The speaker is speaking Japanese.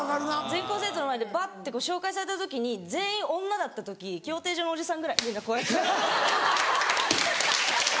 全校生徒の前でバッて紹介された時に全員女だった時競艇場のおじさんぐらいみんなこうやって。